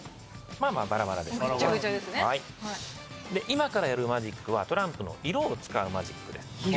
今からやるマジックはトランプの色を使うマジックです。